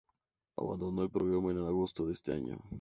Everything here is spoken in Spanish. Abandonó el programa en agosto de ese año.